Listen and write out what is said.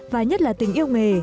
và nhất là tình yêu nghề